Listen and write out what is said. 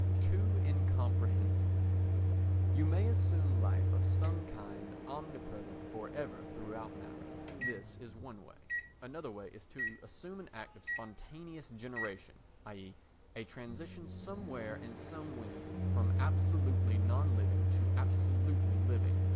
Two Incomprehensibles You may assume life of some kind omnipresent for ever throughout matter. This is one way. Another way is to assume an act of spontaneous generation, i.e. a transition somewhere and somewhen from absolutely non living to absolutely living.